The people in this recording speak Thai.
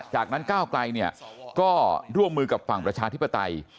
จากนั้นก้าวไกลก็ร่วมมือกับฝั่งประชาธิปไตย